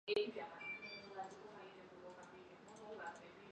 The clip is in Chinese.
这些材料由于战乱而散失。